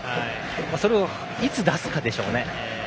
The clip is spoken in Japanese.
それをいつ出すかでしょうね。